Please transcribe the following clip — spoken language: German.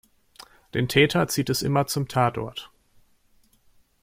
Den Täter zieht es immer zum Tatort.